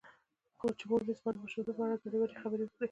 چې مور مې زما د ماشومتوب په اړه ګډې وګډې خبرې وکړې .